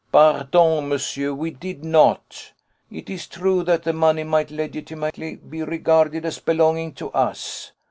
"Pardon, monsieur; we did not. It is true that the money might legitimately be regarded as belonging to us.